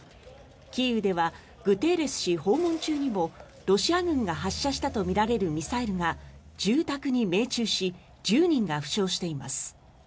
キーウではグテーレス氏訪問中にもロシア軍が発射したとみられるミサイルが住宅に命中し１０人が負傷しています。